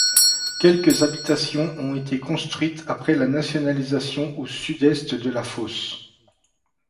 Quelques habitations ont été construites après la Nationalisation au sud-est de la fosse.